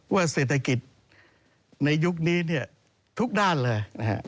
ว่าเศรษฐกิจในยุคนี้ทุกด้านเลย